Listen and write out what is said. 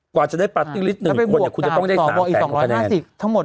กว่าจะได้ปาร์ติกฤทธิ์๑คนคุณจะต้องได้๓แสนกว่าคะแนน